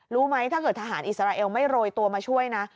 รู้ไหมถ้าเกิดทหารอิสราเอลไม่โรยตัวมาช่วยนะ